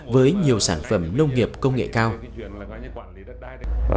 với nhiều sản phẩm nông nghiệp công nghệ cao